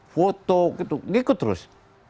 foto gitu ngikut terus